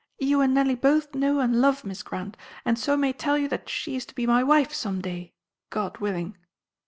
You and Nellie both know and love Miss Grant, and so I may tell you that she is to be my wife some day, God willing.'"